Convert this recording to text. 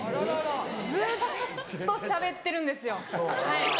ずっとしゃべってるんですよはい。